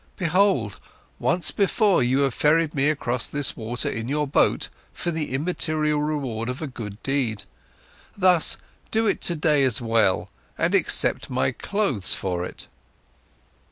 Behold, once before you have ferried me across this water in your boat for the immaterial reward of a good deed. Thus, do it today as well, and accept my clothes for it."